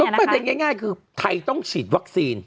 ต้องแปดสินง่ายคือไทยต้องฉีดวัคซีน